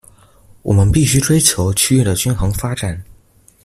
我們必須追求區域的均衡發展